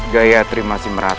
gayatri masih merasa